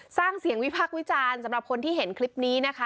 สร้างเสียงวิพักษ์วิจารณ์สำหรับคนที่เห็นคลิปนี้นะคะ